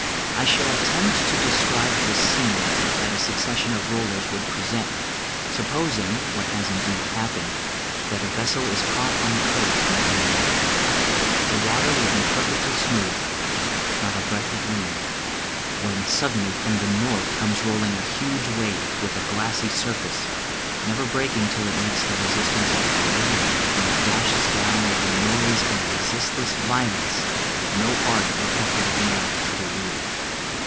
I shall attempt to describe the scene that a succession of Rollers would present, supposing, what has indeed happened, that a vessel is caught on the coast when coming in. The water will be perfectly smooth not a breath of wind when, suddenly, from the north, comes rolling a huge wave, with a glassy surface, never breaking till it meets the resistance of the land, when it dashes down with a noise and a resistless violence that no art or effort of man could elude.